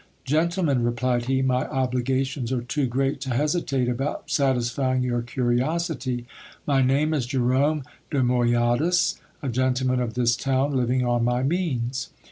Gentlemen replied he, my obligations are too great to hesitate about satisfying your curiosity ; my name is Jerome de Moyadas, a gentleman of this town, living on my means.